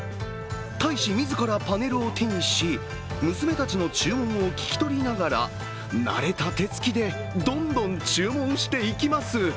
大使自らパネルを手にし、娘たちの注文を聞き取りながら慣れた手つきでどんどん注文していきます。